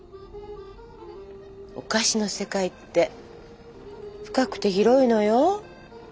お菓子の世界って深くて広いのよ。